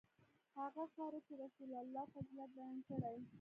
هغه خاوره چې رسول الله فضیلت بیان کړی.